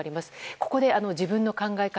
ここで自分の考え方